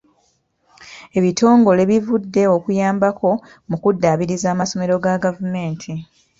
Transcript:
Ebitongole bivudde okuyambako mu kuddaabiriza amasomero ga gavumenti.